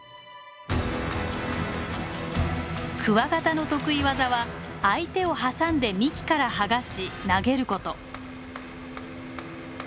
クワガタの得意技は相手を挟んで幹から剥がし投げること。